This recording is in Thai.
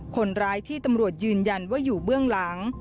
คนร้ายที่ตำรวจยืนยันว่าอยู่เบื้องหลัง